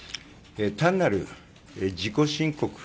単なる自己申告